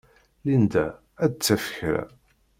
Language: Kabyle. Linda ad d-taf kra.